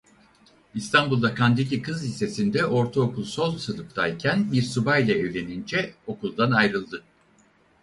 İstanbul'da Kandilli Kız Lisesi'nde ortaokul son sınıftayken bir subayla evlenince okuldan ayrıldı.